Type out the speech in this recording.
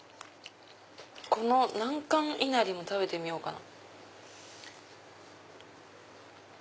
南関いなりも食べてみようかな。